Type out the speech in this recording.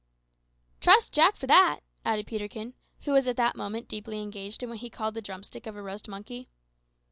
"Trust Jack for that," added Peterkin, who was at that moment deeply engaged with what he called the drumstick of a roast monkey.